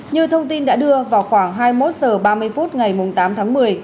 như thông tin đã đưa vào khoảng hai mươi một h ba mươi phút ngày tám tháng một mươi